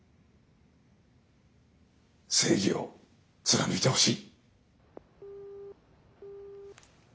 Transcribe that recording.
正義を貫いてほしい。